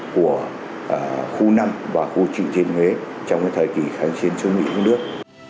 của khu năm và khu trị thuyên huế trong thời kỳ kháng chiến chống mỹ đất nước